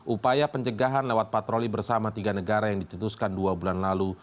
upaya pencegahan lewat patroli bersama tiga negara yang dicetuskan dua bulan lalu